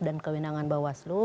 dan kewenangan bahwasu